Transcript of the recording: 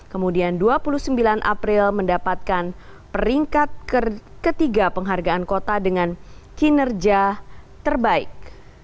kemudian dua puluh sembilan april mendapatkan peringkat ketiga penghargaan kota dengan kinerja terbaik